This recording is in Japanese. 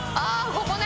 ここね。